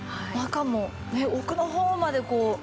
中も奥の方までこう。